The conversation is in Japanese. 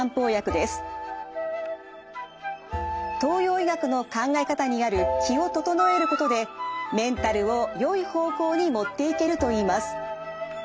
東洋医学の考え方にある気を整えることでメンタルをよい方向に持っていけるといいます。